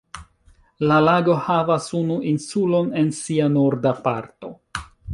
La lago havas unu insulon en sia norda parto.